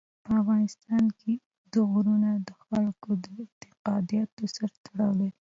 په افغانستان کې اوږده غرونه د خلکو د اعتقاداتو سره تړاو لري.